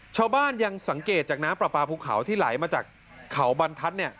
ชาวบ้านยังสังเกตจากน้ำปลาปลาภูเขาที่ไหลมาจากเขาบรรทัศน์